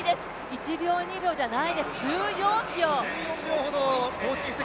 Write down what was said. １秒、２秒ではないです、１４秒！